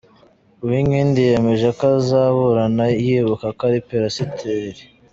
Uwinkindi yemeje ko azaburana yibuka ko ari Pasiteri.